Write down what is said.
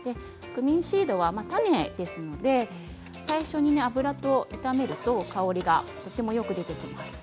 クミンシードは種ですので炒めると香りがよく出てきます。